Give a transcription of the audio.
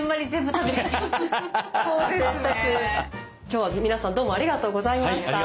今日は皆さんどうもありがとうございました。